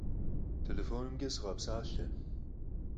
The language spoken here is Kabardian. Телефонымкӏэ сыгъэпсалъэ.